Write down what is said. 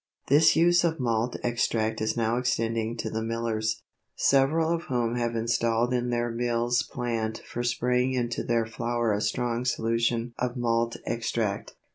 This use of malt extract is now extending to the millers, several of whom have installed in their mills plant for spraying into their flour a strong solution of malt extract.